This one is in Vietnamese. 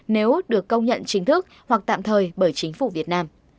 nếu được công nhận chính thức hoặc tạm thời bởi chính phủ việt nam